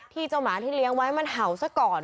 เจ้าหมาที่เลี้ยงไว้มันเห่าซะก่อน